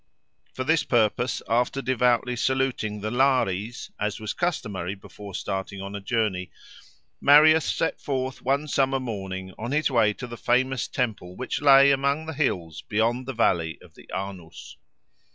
For this purpose, after devoutly saluting the Lares, as was customary before starting on a journey, Marius set forth one summer morning on his way to the famous temple which lay among the hills beyond the valley of the Arnus.